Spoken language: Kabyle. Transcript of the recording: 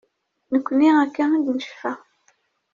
Nekni akka i d-necfa.